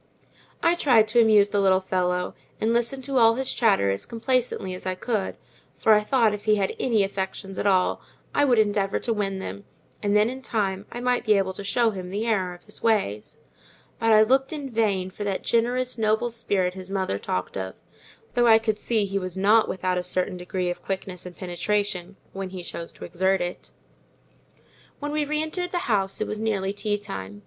I tried to amuse the little fellow, and listened to all his chatter as complacently as I could; for I thought if he had any affections at all, I would endeavour to win them; and then, in time, I might be able to show him the error of his ways: but I looked in vain for that generous, noble spirit his mother talked of; though I could see he was not without a certain degree of quickness and penetration, when he chose to exert it. When we re entered the house it was nearly tea time.